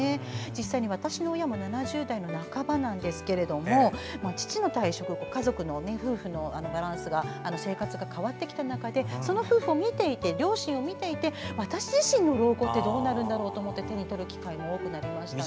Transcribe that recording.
実際に私の親も７０代の半ばなんですが父の退職後家族、夫婦の生活のバランスが変わってきていてその夫婦を見ていて両親を見ていて私自身の老後はどうなるだろうかと手に取る機会が多くなりました。